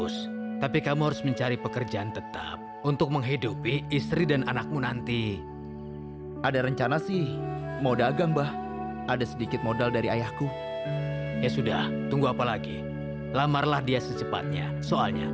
sampai jumpa di video selanjutnya